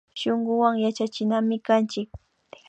Shunkuwan yachachinami kanchik